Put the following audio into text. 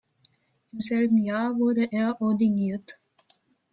Im selben Jahr wurde er ordiniert.